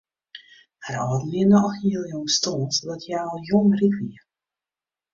Har âlden wiene al hiel jong stoarn sadat hja al jong ryk wie.